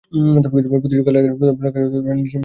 প্রতি খেলার প্রথম লেগ পাত্র এ-এর দল নিজের মাঠে খেলবে।